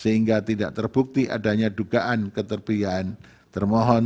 sehingga tidak terbukti adanya dugaan keterpiaan termohon